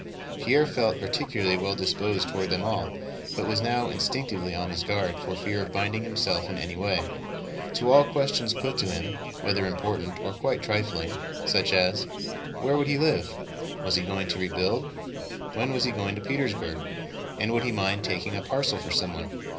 Pierre felt particularly well disposed toward them all, but was now instinctively on his guard for fear of binding himself in any way. To all questions put to him—whether important or quite trifling—such as: Where would he live? Was he going to rebuild? When was he going to Petersburg and would he mind taking a parcel for someone?